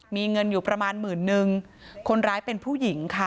มีเงินอยู่ประมาณหมื่นนึงคนร้ายเป็นผู้หญิงค่ะ